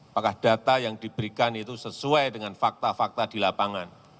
apakah data yang diberikan itu sesuai dengan fakta fakta di lapangan